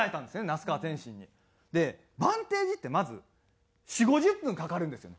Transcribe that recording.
那須川天心に。でバンテージってまず４０５０分かかるんですよ